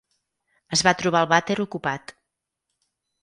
Es va trobar el vàter ocupat.